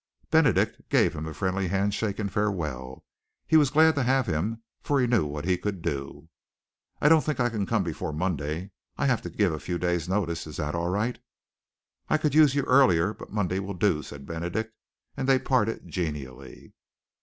Benedict gave him a friendly handshake in farewell. He was glad to have him, for he knew what he could do. "I don't think I can come before Monday. I have to give a few days' notice. Is that all right?" "I could use you earlier, but Monday will do," said Benedict, and they parted genially.